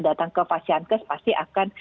datang ke pasien kes pasti akan